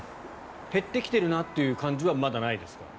減ってきているなという感じはまだないですか？